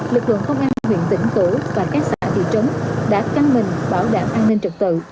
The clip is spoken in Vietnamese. lực lượng phòng an huyện tỉnh cửu và các xã thị trấn đã canh mình bảo đảm an ninh trật tự